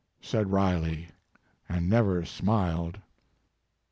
said Riley, and never smiled.